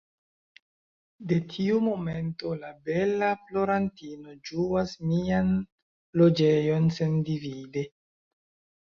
De tiu momento, la bela plorantino ĝuas mian loĝejon sendivide.